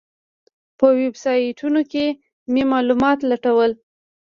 په ویبسایټونو کې مې معلومات لټول.